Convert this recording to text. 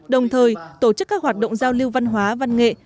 đồng thời tổ chức các hoạt động giao lưu văn hóa văn nghệ